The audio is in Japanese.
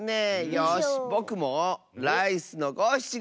よしぼくもライスのごしちご！